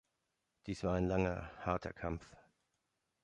Dies war ein langer, harter Kampf.